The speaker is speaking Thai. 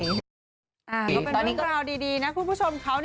ดูเป็นรุ่นเปล่าดีนะคุณผู้ชมเขา